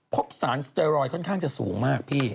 พบสารสเตอรอยดค่อนข้างจะสูงมากพี่